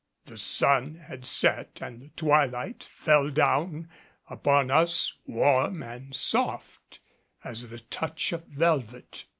The sun had set and the twilight fell down upon us warm and soft as the touch of velvet.